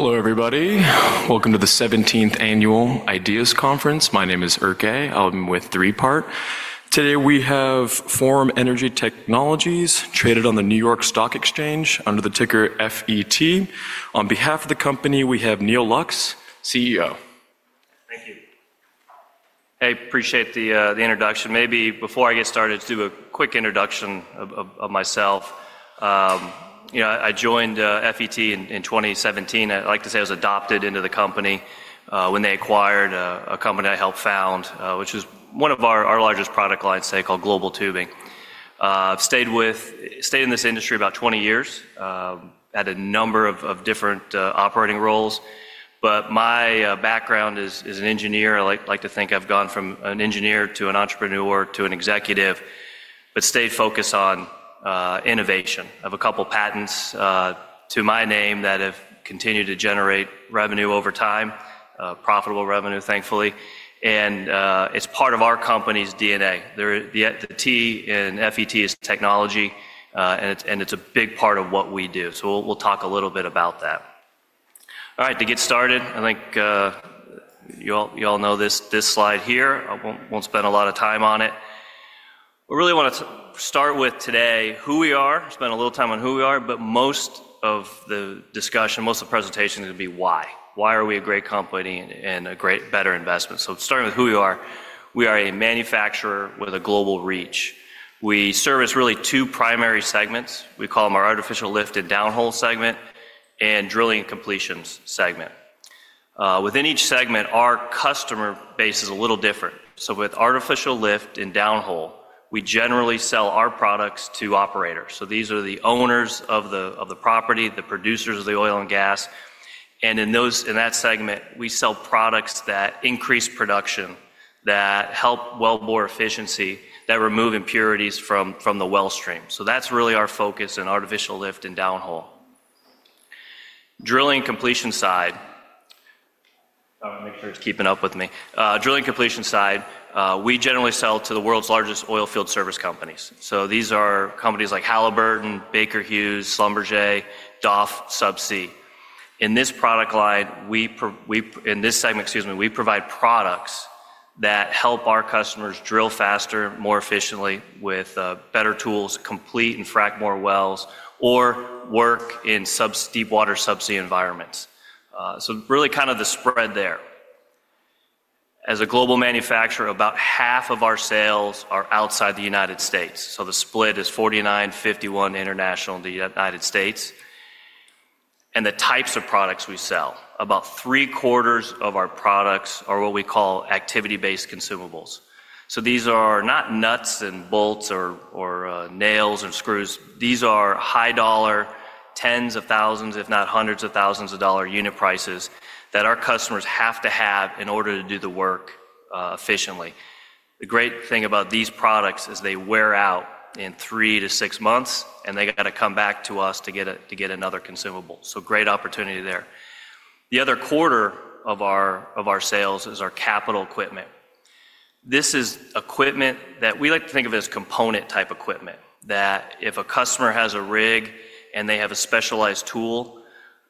Hello, everybody. Welcome to the 17th Annual Ideas Conference. My name is Erke. I'm with Three Part. Today we have Forum Energy Technologies, traded on the New York Stock Exchange under the ticker FET. On behalf of the company, we have Neal Lux, CEO. Thank you] Hey, appreciate the introduction. Maybe before I get started, just do a quick introduction of myself. You know, I joined FET in 2017. I'd like to say I was adopted into the company when they acquired a company I helped found, which is one of our largest product lines today called Global Tubing. I've stayed in this industry about 20 years, had a number of different operating roles. My background is an engineer. I like to think I've gone from an engineer to an entrepreneur to an executive, but stayed focused on innovation. I have a couple of patents to my name that have continued to generate revenue over time, profitable revenue, thankfully. It's part of our company's DNA. The T in FET is Technology, and it's a big part of what we do. We'll talk a little bit about that. All right, to get started, I think you all know this slide here. I won't spend a lot of time on it. I really want to start with today who we are. Spend a little time on who we are, but most of the discussion, most of the presentation is going to be why. Why are we a great company and a great, better investment? Starting with who we are, we are a manufacturer with a global reach. We service really two primary segments. We call them our Artificial and Downhole segment and Drilling and Completions segment. Within each segment, our customer base is a little different. With Artificial and Downhole, we generally sell our products to operators. These are the owners of the property, the producers of the oil and gas. In that segment, we sell products that increase production, that help wellbore efficiency, that remove impurities from the well stream. That is really our focus in Artificial and Downhole. Drilling and Completion side. I want to make sure it's keeping up with me. Drilling and Completion side, we generally sell to the world's largest oil field service companies. These are companies like Halliburton, Baker Hughes, Schlumberger, DOF, Subsea. In this product line, in this segment, excuse me, we provide products that help our customers drill faster, more efficiently with better tools, complete and fract more wells, or work in deep water subsea environments. Really kind of the spread there. As a global manufacturer, about half of our sales are outside the United States. The split is 49-51 international in the United States. The types of products we sell, about 3/4 of our products are what we call activity-based consumables. These are not nuts and bolts or nails and screws. These are high dollar, tens of thousands, if not hundreds of thousands of dollar unit prices that our customers have to have in order to do the work efficiently. The great thing about these products is they wear out in three to six months, and they got to come back to us to get another consumable. Great opportunity there. The other quarter of our sales is our Capital Equipment. This is equipment that we like to think of as component type equipment, that if a customer has a rig and they have a specialized tool,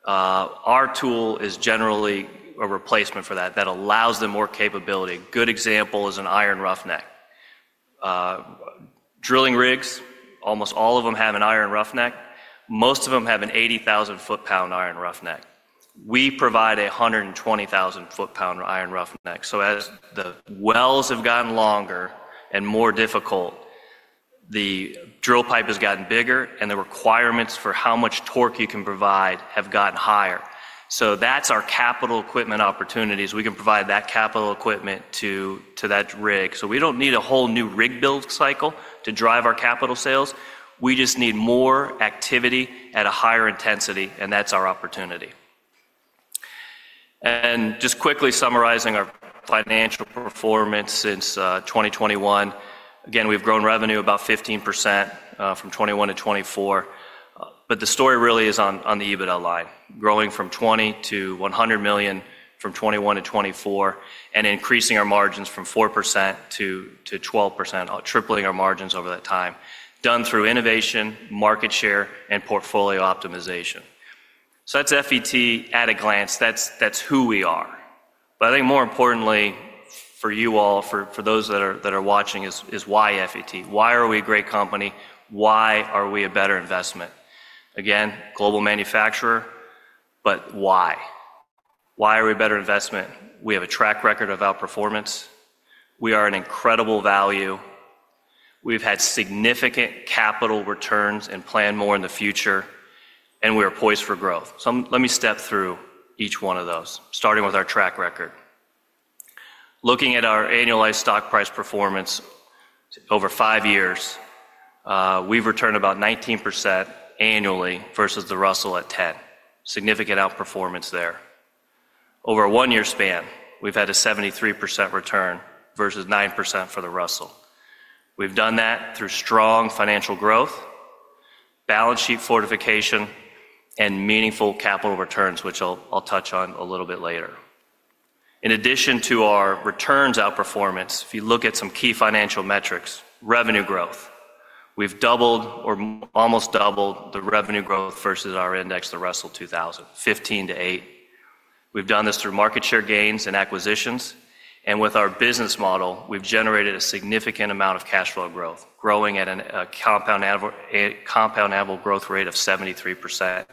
our tool is generally a replacement for that that allows them more capability. A good example is an Iron Roughneck. Drilling rigs, almost all of them have an Iron Roughneck. Most of them have an 80,000 foot-pound Iron Roughneck. We provide a 120,000 foot-pound Iron Roughneck. As the wells have gotten longer and more difficult, the drill pipe has gotten bigger, and the requirements for how much torque you can provide have gotten higher. That is our capital equipment opportunities. We can provide that capital equipment to that rig. We do not need a whole new rig build cycle to drive our capital sales. We just need more activity at a higher intensity, and that is our opportunity. Just quickly summarizing our financial performance since 2021, again, we have grown revenue about 15% from 2021 to 2024. The story really is on the EBITDA line, growing from $20 million to $100 million from 2021 to 2024, and increasing our margins from 4% to 12%, tripling our margins over that time, done through innovation, market share, and portfolio optimization. That is FET at a glance. That is who we are. I think more importantly for you all, for those that are watching, is why FET? Why are we a great company? Why are we a better investment? Again, global manufacturer, but why? Why are we a better investment? We have a track record of outperformance. We are an incredible value. We've had significant capital returns and plan more in the future, and we are poised for growth. Let me step through each one of those, starting with our track record. Looking at our annualized stock price performance over five years, we've returned about 19% annually versus the Russell at 10%. Significant outperformance there. Over a one-year span, we've had a 73% return versus 9% for the Russell. We've done that through strong financial growth, balance sheet fortification, and meaningful capital returns, which I'll touch on a little bit later. In addition to our returns outperformance, if you look at some key financial metrics, revenue growth, we've doubled or almost doubled the revenue growth versus our index, the Russell 2000, 15 to 8. We've done this through market share gains and acquisitions. With our business model, we've generated a significant amount of cash flow growth, growing at a compound annual growth rate of 73%,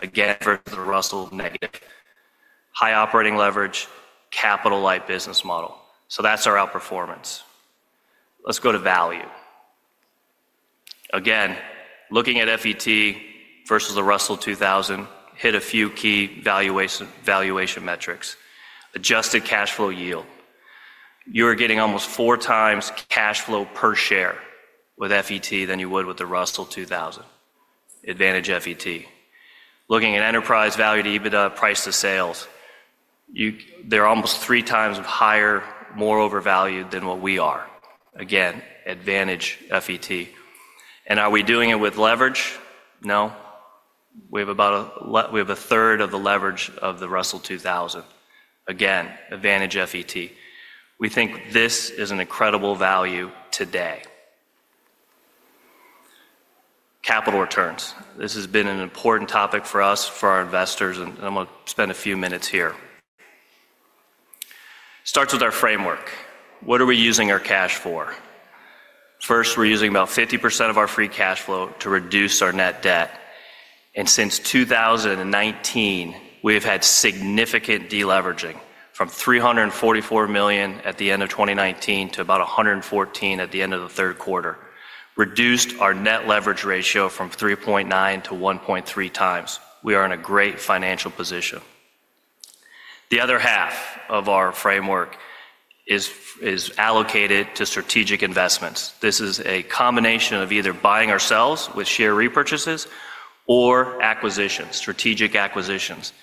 again, versus the Russell negative. High operating leverage, capital-light business model. That's our outperformance. Let's go to value. Again, looking at FET versus the Russell 2000, hit a few key valuation metrics. Adjusted cash flow yield. You're getting almost four times cash flow per share with FET than you would with the Russell 2000. Advantage FET. Looking at enterprise value to EBITDA, price to sales, they're almost three times higher, more overvalued than what we are. Again, advantage FET. Are we doing it with leverage? No. We have about a third of the leverage of the Russell 2000. Again, advantage FET. We think this is an incredible value today. Capital returns. This has been an important topic for us, for our investors, and I'm going to spend a few minutes here. Starts with our framework. What are we using our cash for? First, we're using about 50% of our Free Cash Flow to reduce our net debt. Since 2019, we have had significant deleveraging from $344 million at the end of 2019 to about $114 million at the end of the third quarter. Reduced our net leverage ratio from 3.9 to 1.3 times. We are in a great financial position. The other half of our framework is allocated to strategic investments. This is a combination of either buying ourselves with share repurchases or acquisitions, strategic acquisitions.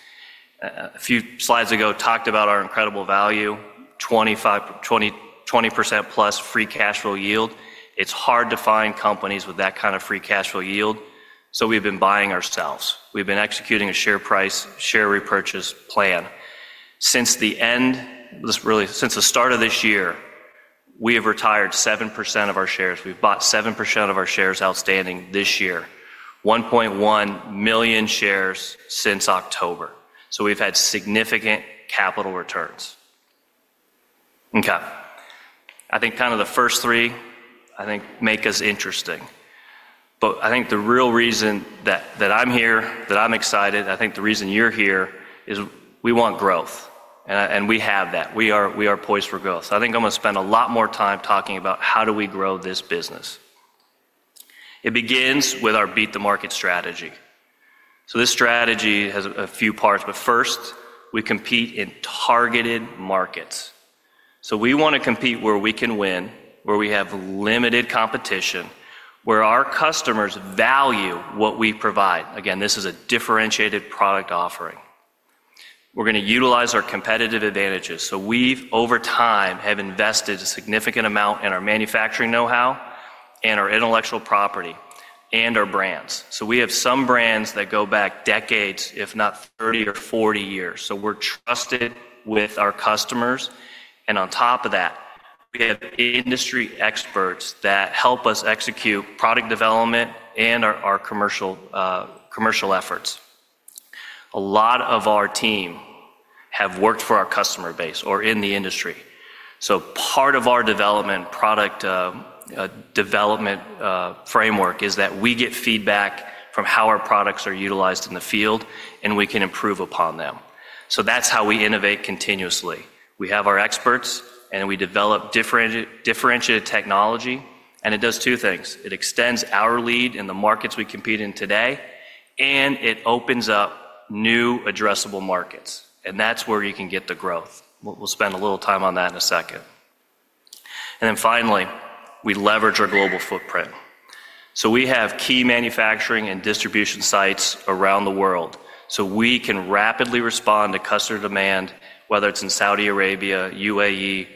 A few slides ago talked about our incredible value, 20% plus Free Cash Flow yield. It's hard to find companies with that kind of Free Cash Flow yield. We've been buying ourselves. We've been executing a share price, share repurchase plan. Since the start of this year, we have retired 7% of our shares. We've bought 7% of our shares outstanding this year. 1.1 million shares since October. We've had significant capital returns. Okay. I think kind of the first three, I think, make us interesting. I think the real reason that I'm here, that I'm excited, I think the reason you're here is we want growth. We have that. We are poised for growth. I think I'm going to spend a lot more time talking about how do we grow this business. It begins with our beat the market strategy. This strategy has a few parts. First, we compete in targeted markets. We want to compete where we can win, where we have limited competition, where our customers value what we provide. Again, this is a differentiated product offering. We are going to utilize our competitive advantages. We, over time, have invested a significant amount in our manufacturing know-how and our intellectual property and our brands. We have some brands that go back decades, if not 30 or 40 years. We are trusted with our customers. On top of that, we have industry experts that help us execute product development and our commercial efforts. A lot of our team have worked for our customer base or in the industry. Part of our product development framework is that we get feedback from how our products are utilized in the field, and we can improve upon them. That is how we innovate continuously. We have our experts, and we develop differentiated technology. It does two things. It extends our lead in the markets we compete in today, and it opens up new addressable markets. That is where you can get the growth. We will spend a little time on that in a second. Finally, we leverage our global footprint. We have key manufacturing and distribution sites around the world. We can rapidly respond to customer demand, whether it is in Saudi Arabia, UAE,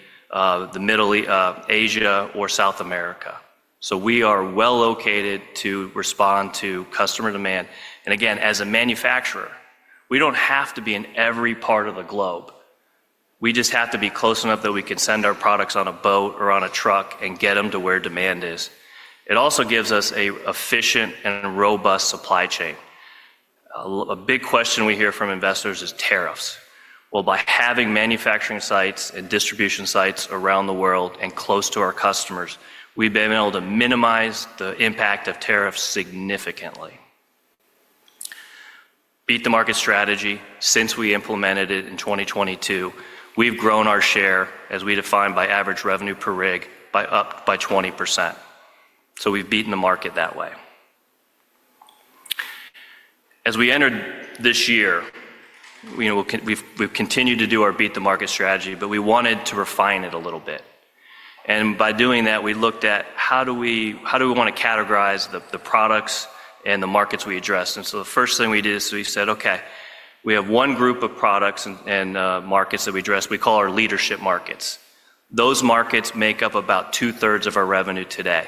the Middle East, Asia, or South America. We are well located to respond to customer demand. Again, as a manufacturer, we do not have to be in every part of the globe. We just have to be close enough that we can send our products on a boat or on a truck and get them to where demand is. It also gives us an efficient and robust supply chain. A big question we hear from investors is tariffs. By having manufacturing sites and distribution sites around the world and close to our customers, we've been able to minimize the impact of tariffs significantly. Beat the market strategy. Since we implemented it in 2022, we've grown our share, as we define by average revenue per rig, by 20%. We've beaten the market that way. As we entered this year, we've continued to do our beat the market strategy, but we wanted to refine it a little bit. By doing that, we looked at how do we want to categorize the products and the markets we address. The first thing we did is we said, "Okay, we have one group of products and markets that we address. We call our leadership markets. Those markets make up about two-thirds of our revenue today.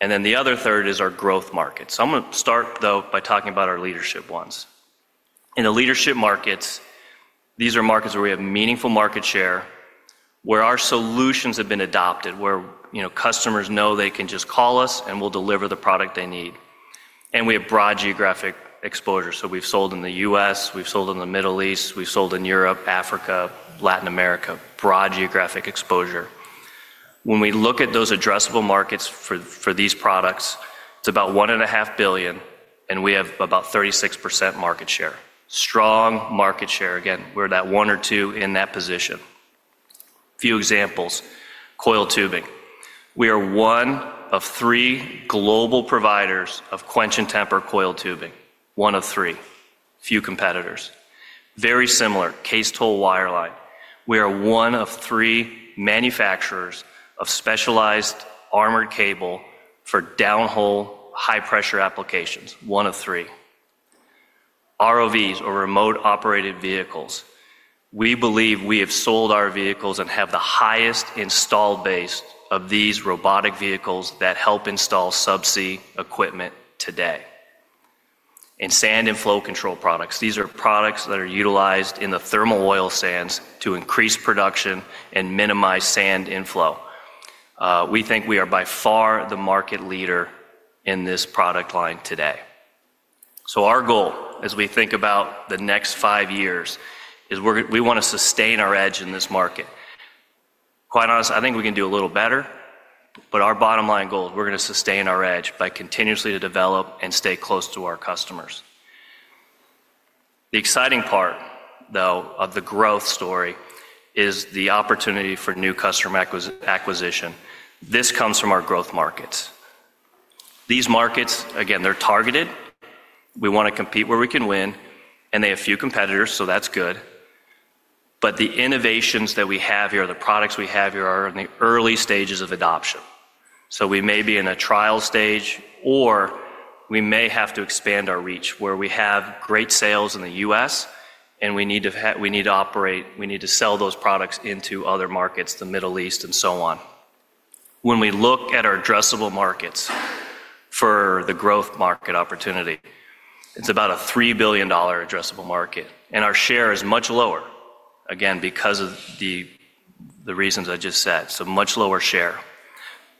And then the other third is our growth markets." I'm going to start, though, by talking about our leadership ones. In the leadership markets, these are markets where we have meaningful market share, where our solutions have been adopted, where customers know they can just call us and we'll deliver the product they need. We have broad geographic exposure. We've sold in the U.S., we've sold in the Middle East, we've sold in Europe, Africa, Latin America, broad geographic exposure. When we look at those addressable markets for these products, it's about $1.5 billion, and we have about 36% market share. Strong market share. Again, we're that one or two in that position. Few examples. Coiled tubing. We are one of three global providers of Quench and Temper coiled tubing. One of three. Few competitors. Very similar. Cased Hole Wireline. We are one of three manufacturers of specialized armored cable for downhole high-pressure applications. One of three. ROVs or Remotely Operated Vehicles. We believe we have sold our vehicles and have the highest install base of these robotic vehicles that help install subsea equipment today. Sand and Flow Control Products. These are products that are utilized in the thermal oil sands to increase production and minimize sand inflow. We think we are by far the market leader in this product line today. Our goal, as we think about the next five years, is we want to sustain our edge in this market. Quite honestly, I think we can do a little better, but our bottom line goal is we're going to sustain our edge by continuously developing and staying close to our customers. The exciting part, though, of the growth story is the opportunity for new customer acquisition. This comes from our growth markets. These markets, again, they're targeted. We want to compete where we can win, and they have few competitors, so that's good. The innovations that we have here, the products we have here, are in the early stages of adoption. We may be in a trial stage, or we may have to expand our reach where we have great sales in the U.S., and we need to operate, we need to sell those products into other markets, the Middle East, and so on. When we look at our addressable markets for the growth market opportunity, it's about a $3 billion addressable market. Our share is much lower, again, because of the reasons I just said. Much lower share.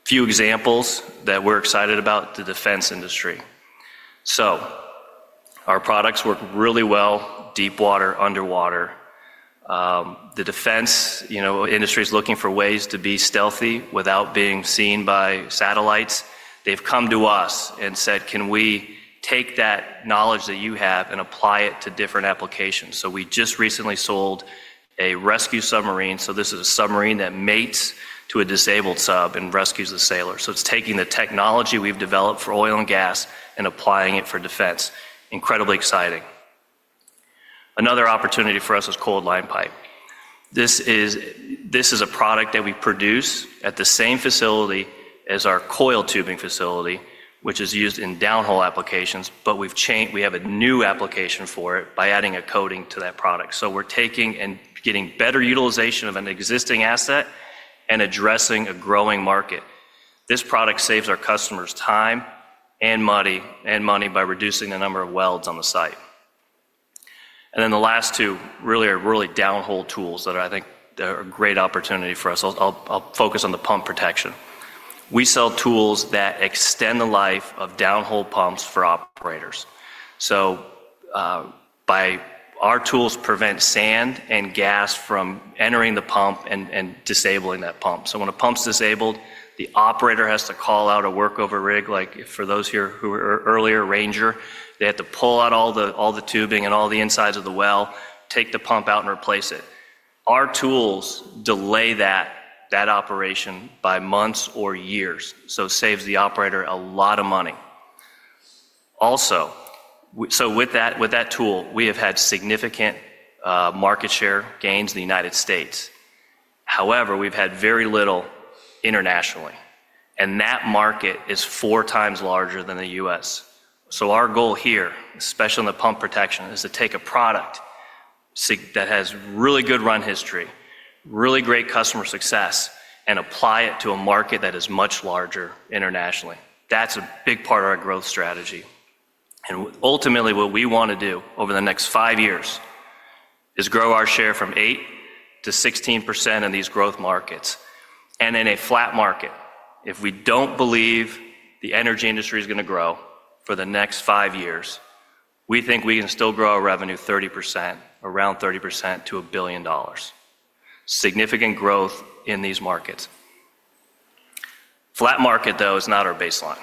Few examples that we're excited about: the Defense Industry. Our products work really well: deepwater, underwater. The Defense Industry is looking for ways to be stealthy without being seen by satellites. They've come to us and said, "Can we take that knowledge that you have and apply it to different applications?" We just recently sold a rescue submarine. This is a submarine that mates to a disabled sub and rescues the sailor. It's taking the technology we've developed for oil and gas and applying it for defense. Incredibly exciting. Another opportunity for us is Coiled Line Pipe. This is a product that we produce at the same facility as our Coiled Tubing facility, which is used in downhole applications, but we have a new application for it by adding a coating to that product. We are taking and getting better utilization of an existing asset and addressing a growing market. This product saves our customers time and money by reducing the number of welds on the site. The last two really are really downhole tools that I think are a great opportunity for us. I'll focus on the Pump Protection. We sell tools that extend the life of Downhole Pumps for operators. Our tools prevent sand and gas from entering the pump and disabling that pump. When a pump's disabled, the operator has to call out a workover rig. Like for those here who were earlier Ranger, they had to pull out all the tubing and all the insides of the well, take the pump out, and replace it. Our tools delay that operation by months or years. It saves the operator a lot of money. Also, with that tool, we have had significant market share gains in the United States. However, we have had very little internationally. That market is four times larger than the U.S. Our goal here, especially on the pump protection, is to take a product that has really good run history, really great customer success, and apply it to a market that is much larger internationally. That is a big part of our growth strategy. Ultimately, what we want to do over the next five years is grow our share from 8% to 16% in these growth markets. In a flat market, if we do not believe the energy industry is going to grow for the next five years, we think we can still grow our revenue 30%, around 30% to a billion dollars. Significant growth in these markets. Flat market, though, is not our baseline.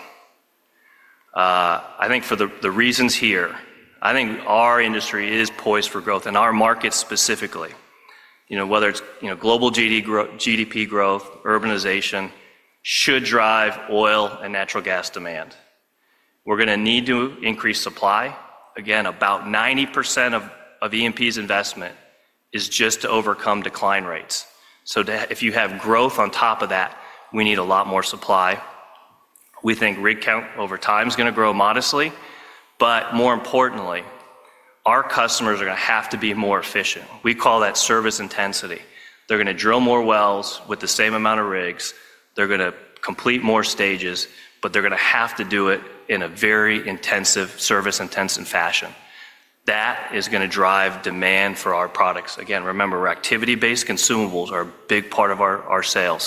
I think for the reasons here, I think our industry is poised for growth. Our market specifically, whether it is global GDP growth, urbanization, should drive Oil and Natural Gas demand. We are going to need to increase supply. Again, about 90% of EMP's investment is just to overcome decline rates. If you have growth on top of that, we need a lot more supply. We think rig count over time is going to grow modestly. More importantly, our customers are going to have to be more efficient. We call that service intensity. They're going to drill more wells with the same amount of rigs. They're going to complete more stages, but they're going to have to do it in a very service-intensive fashion. That is going to drive demand for our products. Again, remember, activity-based consumables are a big part of our sales.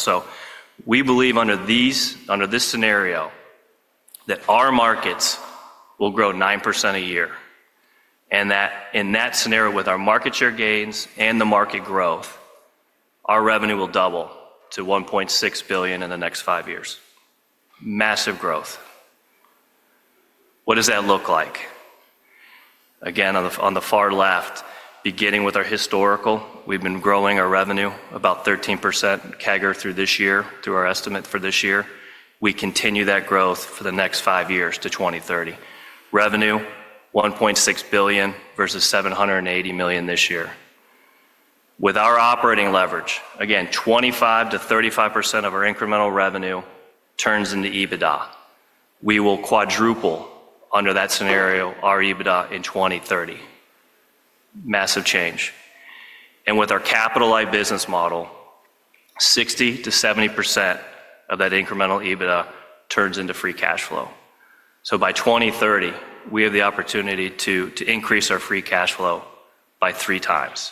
We believe under this scenario that our markets will grow 9% a year. In that scenario, with our market share gains and the market growth, our revenue will double to $1.6 billion in the next five years. Massive growth. What does that look like? Again, on the far left, beginning with our historical, we've been growing our revenue about 13% CAGR through this year, through our estimate for this year. We continue that growth for the next five years to 2030. Revenue, $1.6 billion versus $780 million this year. With our operating leverage, again, 25%-35% of our incremental revenue turns into EBITDA. We will quadruple under that scenario our EBITDA in 2030. Massive change. With our capital-light business model, 60%-70% of that incremental EBITDA turns into Free Cash Flow. By 2030, we have the opportunity to increase our Free Cash Flow by three times.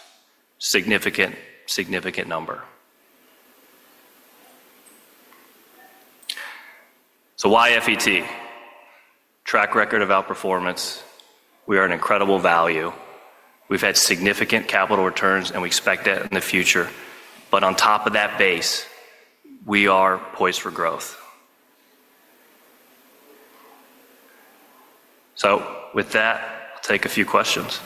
Significant, significant number. Why FET? Track record of outperformance. We are an incredible value. We've had significant capital returns, and we expect that in the future. On top of that base, we are poised for growth. With that, I'll take a few questions.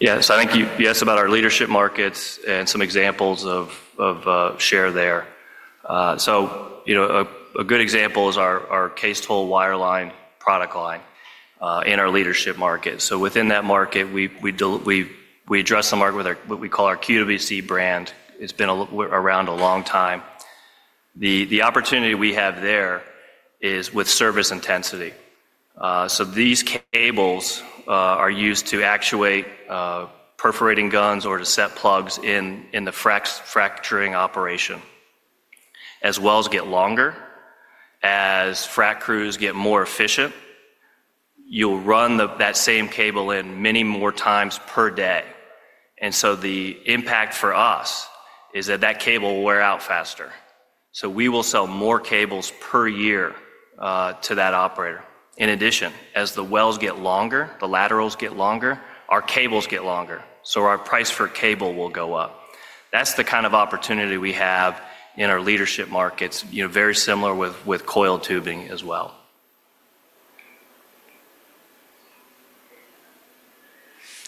[Quiet room.] Thank you. Hi. You were talking a little bit in terms of the market leadership and what we're looking at. Can you give an example of some of those markets? What do you see in terms of the market share? Yes.I think you asked about our leadership markets and some examples of share there. A good example is our Cased Hole Wireline product line in our leadership market. Within that market, we address the market with what we call our QWC brand. It's been around a long time. The opportunity we have there is with service intensity. These cables are used to actuate perforating guns or to set plugs in the Fracturing Operation, as well as get longer. As frac crews get more efficient, you'll run that same cable in many more times per day. The impact for us is that that cable will wear out faster. We will sell more cables per year to that operator. In addition, as the wells get longer, the laterals get longer, our cables get longer. Our price per cable will go up. That's the kind of opportunity we have in our leadership markets, very similar with Coiled Tubing as well.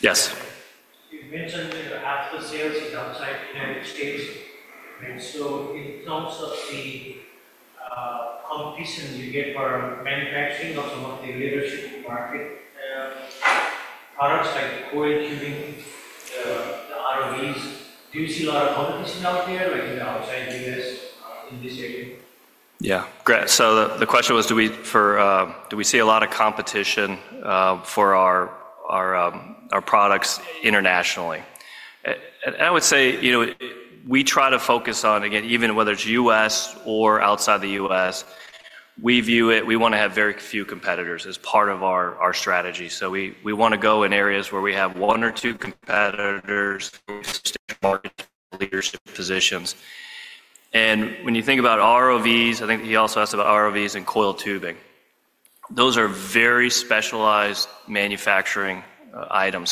Yes. You mentioned that after sales is outside the United States. In terms of the competition you get for manufacturing of some of the leadership market products like Coiled Tubing, the ROVs, do you see a lot of competition out there, like in the outside U.S. in this area? Yeah. Great. The question was, do we see a lot of competition for our products internationally? I would say we try to focus on, again, even whether it's U.S. or outside the U.S., we view it, we want to have very few competitors as part of our strategy. We want to go in areas where we have one or two competitors in leadership positions. When you think about ROVs, I think he also asked about ROVs and Coil Tubing. Those are very specialized manufacturing items.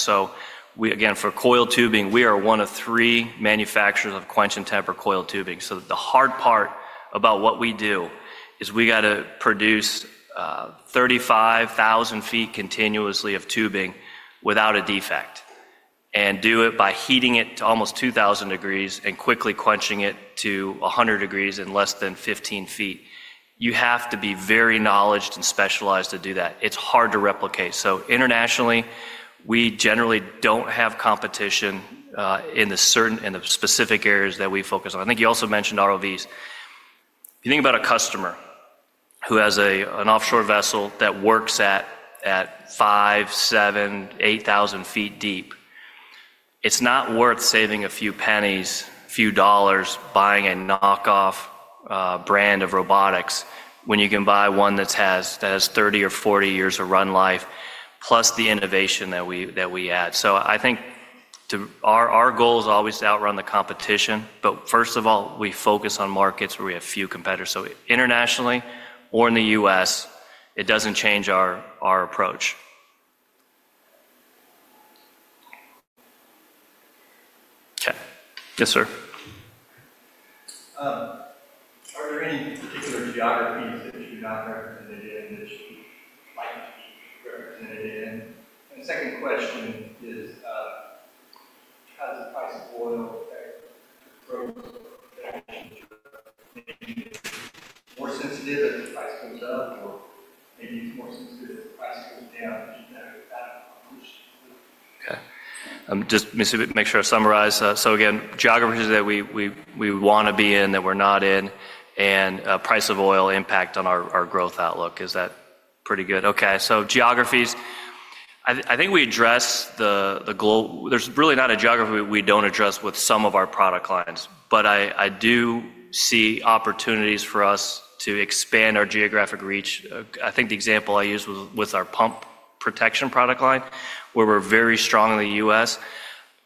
For Coil Tubing, we are one of three manufacturers of Quench and Temper Coil Tubing. The hard part about what we do is we got to produce 35,000 feet continuously of tubing without a defect and do it by heating it to almost 2,000 degrees Fahrenheit and quickly quenching it to 100 degrees Fahrenheit in less than 15 feet. You have to be very knowledged and specialized to do that. It's hard to replicate. Internationally, we generally do not have competition in the specific areas that we focus on. I think you also mentioned ROVs. If you think about a customer who has an offshore vessel that works at 5,000 ft, 7,000 ft, 8,000 ft deep, it's not worth saving a few pennies, a few dollars buying a knockoff brand of robotics when you can buy one that has 30 or 40 years of run life, plus the innovation that we add. I think our goal is always to outrun the competition. First of all, we focus on markets where we have few competitors. Internationally or in the U.S., it doesn't change our approach. Yes, sir. Are there any particular geographies that you're not represented in that you'd like to be represented in? The second question is, how does the price of oil affect the growth of the manufacturing industry? More sensitive as the price goes up, or maybe it's more sensitive as the price goes down? Just make sure I summarize. Again, geographies that we want to be in, that we're not in, and price of oil impact on our growth outlook. Is that pretty good? Okay. Geographies, I think we address the global—there's really not a geography we don't address with some of our product lines. I do see opportunities for us to expand our geographic reach. I think the example I used was with our Pump Protection product line, where we're very strong in the U.S.,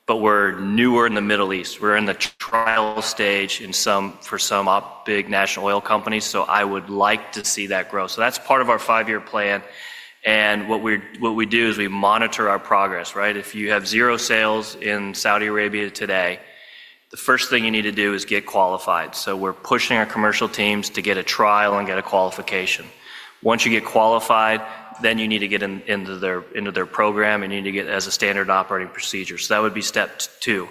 but we're newer in the Middle East. We're in the trial stage for some big national oil companies. I would like to see that grow. That's part of our five-year plan. What we do is we monitor our progress, right? If you have zero sales in Saudi Arabia today, the first thing you need to do is get qualified. We're pushing our commercial teams to get a trial and get a qualification. Once you get qualified, then you need to get into their program, and you need to get as a standard operating procedure. That would be step two.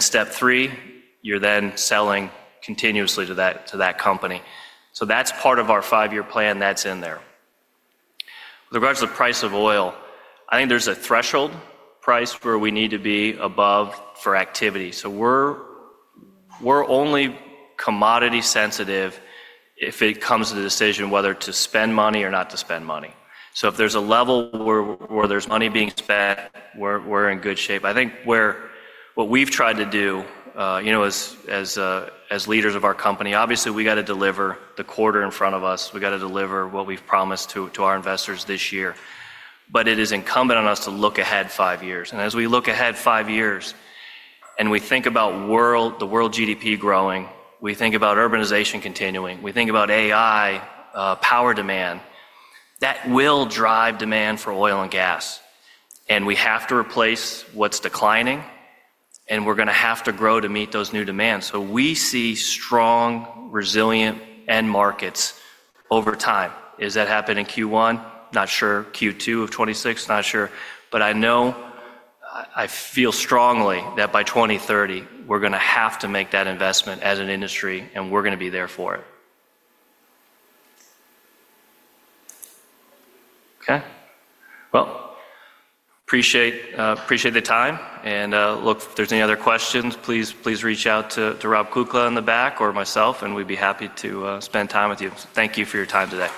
Step three, you're then selling continuously to that company. That's part of our five-year plan that's in there. With regards to the price of oil, I think there's a threshold price where we need to be above for activity. We're only commodity-sensitive if it comes to the decision whether to spend money or not to spend money. If there's a level where there's money being spent, we're in good shape. I think what we've tried to do as leaders of our company, obviously, we got to deliver the quarter in front of us. We got to deliver what we've promised to our investors this year. It is incumbent on us to look ahead five years. As we look ahead five years and we think about the world GDP growing, we think about urbanization continuing, we think about AI power demand, that will drive demand for Oil and Gas. We have to replace what's declining, and we're going to have to grow to meet those new demands. We see strong, resilient end markets over time. Does that happen in Q1? Not sure. Q2 of 2026? Not sure. I feel strongly that by 2030, we're going to have to make that investment as an industry, and we're going to be there for it. Okay. Appreciate the time. If there are any other questions, please reach out to Rob Kukla in the back or myself, and we'd be happy to spend time with you. Thank you for your time today.